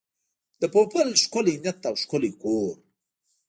د پوپل ښکلی نیت او ښکلی کور.